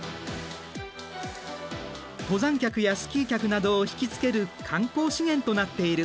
登山客やスキー客などを引きつける観光資源となっている。